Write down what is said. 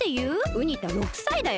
ウニ太６さいだよ。